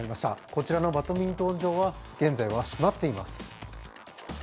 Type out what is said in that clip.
こちらのバドミントン場は現在閉まっています。